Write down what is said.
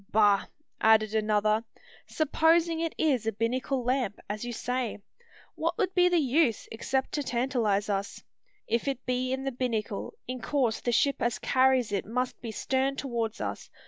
"Bah!" added another; "supposing it is a binnacle lamp, as you say, what would be the use, except to tantalise us. If it be in the binnacle, in course the ship as carries it must be stern towards us.